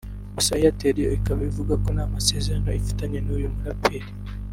gusa Airtel yo ikaba ivuga ko nta masezerano ifitanye n'uyu muraperi